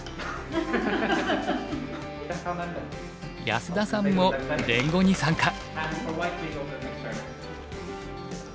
安田さんも連碁に参加。